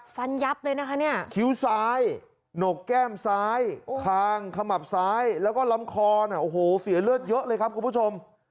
ยับเลยนะคะเนี่ยคิ้วซ้ายหนกแก้มซ้ายคางขมับซ้ายแล้วก็ลำคอเนี่ยโอ้โหเสียเลือดเยอะเลยครับคุณผู้ชม